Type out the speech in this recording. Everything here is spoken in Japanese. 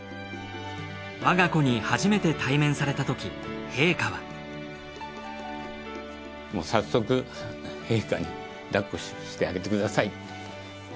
わが子に初めて対面されたとき陛下はもう早速陛下に抱っこしてあげてください。